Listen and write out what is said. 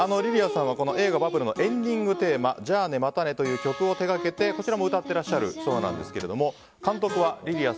さんは映画「バブル」のエンディングテーマ「じゃあね、またね。」という曲を手掛けてこちらも歌ってらっしゃるそうなんですけど監督はりりあ。